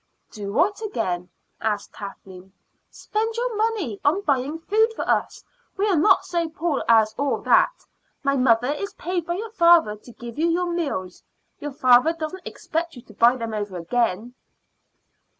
"Do what again?" asked Kathleen. "Spend your money on buying food for us. We are not so poor as all that. My mother is paid by your father to give you your meals; your father doesn't expect you to buy them over again."